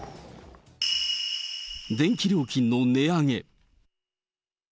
電気料金の値上げ。